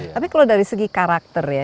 tapi kalau dari segi karakternya